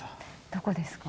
どこですか？